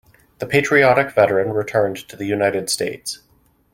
The patriotic veteran returned to the United States.